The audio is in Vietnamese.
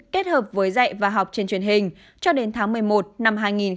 kết hợp với dạy và học trên truyền hình cho đến tháng một mươi một năm hai nghìn một mươi chín